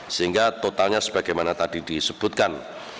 sehingga totalnya sebagaimana tadi disebutkan